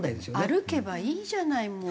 歩けばいいじゃないもう。